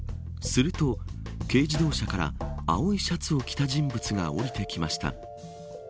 すると、軽自動車から青いシャツを着た人物が降りてきました。